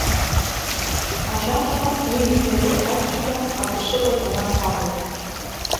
Ажәакала, уии сареи ҳаиқәшәара атәы шыҟаз абас акәын.